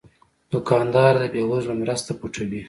دوکاندار د بې وزلو مرسته پټوي.